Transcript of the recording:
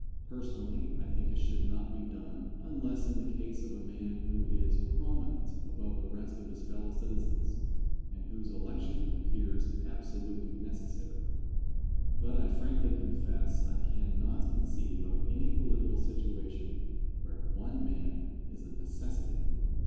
Personally, I think it should not be done unless in the case of a man who is prominent above the rest of his fellow citizens, and whose election appears absolutely necessary. But I frankly confess I cannot conceive of any political situation where one man is a necessity.